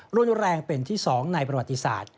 รุนแรงเป็นที่๒ในประวัติศาสตร์